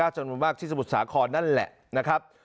จำนวนมากที่สมุทรสาครนั่นแหละนะครับ